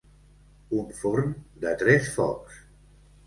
Un forn de tres focs.